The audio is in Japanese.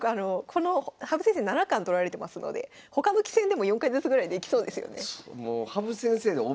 羽生先生七冠取られてますので他の棋戦でも４回ずつぐらいできそうですよね。